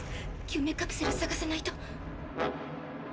救命カプセル探さないと。